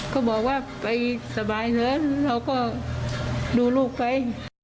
ก็บอกว่าไปสบายนะเราก็ดูลูกไป